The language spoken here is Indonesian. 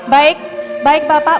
baik baik bapak